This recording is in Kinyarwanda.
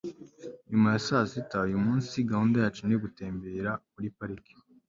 Nyuma ya sasita uyumunsi gahunda yacu ni ugutembera muri parike